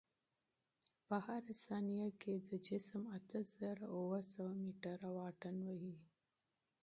په هره ثانیه کې دا جسم اته زره اوه سوه متره واټن وهي.